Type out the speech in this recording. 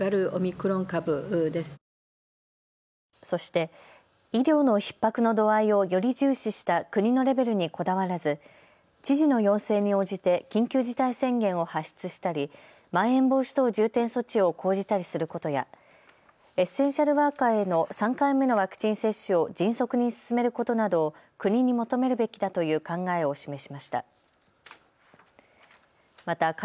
そして医療のひっ迫の度合いをより重視した国のレベルにこだわらず知事の要請に応じて緊急事態宣言を発出したりまん延防止等重点措置を講じたりすることやエッセンシャルワーカーへの３回目のワクチン接種を迅速に進めることなどを国に求めるべきだという考えを示しました。